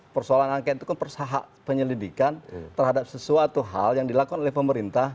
persoalan angket itu kan persahak penyelidikan terhadap sesuatu hal yang dilakukan oleh pemerintah